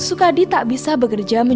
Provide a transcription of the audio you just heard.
sukadi tak bisa bekerja menjaga kemampuan